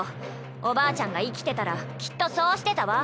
おばあちゃんが生きてたらきっとそうしてたわ。